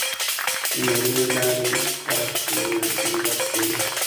د مېلو له لاري خلک خپل هنري تولیدات پلوري.